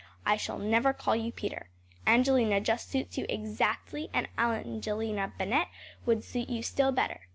I shall never call you Peter. Angelina just suits you exactly; and Angelina Bennett would suit you still better.